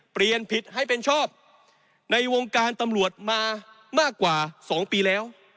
เปลี่ยนผิดให้เป็นชอบในวงการตำรวจมามากกว่า๒ปีแล้ว